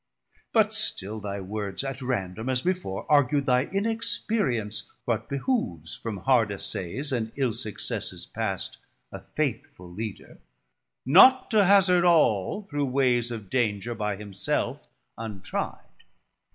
But still thy words at random, as before, 930 Argue thy inexperience what behooves From hard assaies and ill successes past A faithful Leader, not to hazard all Through wayes of danger by himself untri'd.